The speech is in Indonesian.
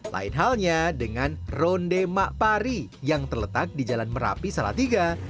lain halnya dengan ronde makpari yang terletak di jalan merapi salatiga